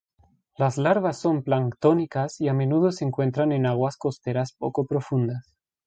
Las larvas son planctónicas y a menudo se encuentran en aguas costeras poco profundas.